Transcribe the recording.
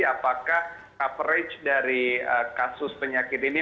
apakah coverage dari kasus penyakit covid sembilan belas